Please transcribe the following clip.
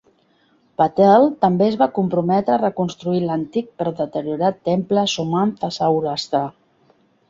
Patel també es va comprometre a reconstruir l'antic però deteriorat Temple Somnath a Saurashtra.